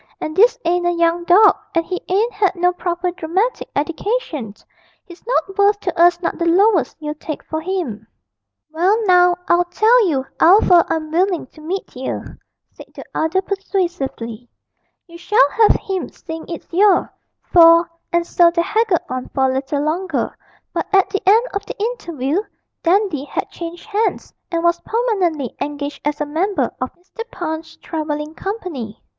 And this ain't a young dog, and he ain't 'ad no proper dramatic eddication; he's not worth to us not the lowest you'd take for him.' 'Well now, I'll tell you 'ow fur I'm willing to meet yer,' said the other persuasively; 'you shall have him, seein' it's you, for ' And so they haggled on for a little longer, but at the end of the interview Dandy had changed hands, and was permanently engaged as a member of Mr. Punch's travelling company.